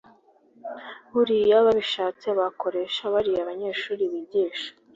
Buriya babishatse bakoresha bariya banyeshuri bigisha